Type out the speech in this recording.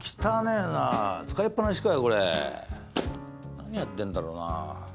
何やってんだろうな。